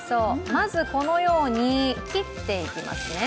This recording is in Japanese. まずこのように、切っていきますね